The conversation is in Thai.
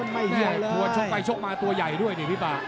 ไปชกไปชกมาตัวใหญ่ด้วยเนี่ยพี่ฟ้า